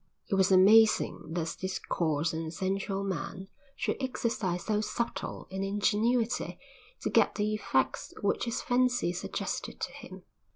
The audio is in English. It was amazing that this coarse and sensual man should exercise so subtle an ingenuity to get the effects which his fancy suggested to him.